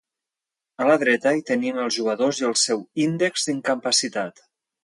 A la dreta hi tenim els jugadors i el seu índex d'incapacitat.